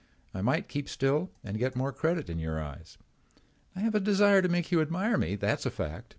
I might keep still and get more credit in your eyes. I have a desire to make you admire me, that's a fact.